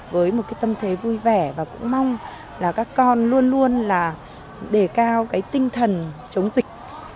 với một cái tâm thế vui vẻ và cũng mong là các con luôn luôn là đề cao cái tinh thần chống dịch